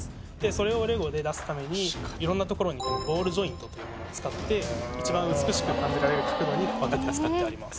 それをレゴで出すために色んなところにボールジョイントというものを使って一番美しく感じられる角度に曲げて使ってあります